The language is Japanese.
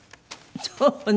そうね。